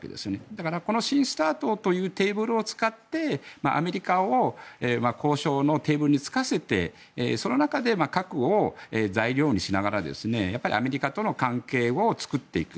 だから、この新ＳＴＡＲＴというテーブルを使ってアメリカを交渉のテーブルに着かせてその中で核を材料にしながらやっぱりアメリカとの関係を作っていく。